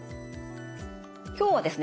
今日はですね